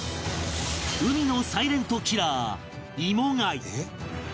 海のサイレントキラーイモガイ